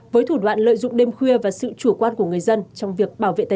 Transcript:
với thủ đoạn lợi dụng đêm khuya và sự chủ quan của người dân trong việc bảo vệ tài sản